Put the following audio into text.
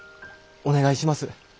お願いします。